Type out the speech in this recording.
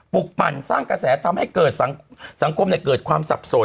กปั่นสร้างกระแสทำให้เกิดสังคมเกิดความสับสน